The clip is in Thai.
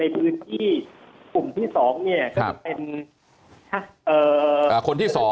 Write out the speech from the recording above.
กลุ่มที่๒จะถึงคนที่๒